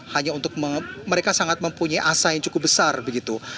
hanya untuk mereka sangat mempunyai asa yang cukup besar begitu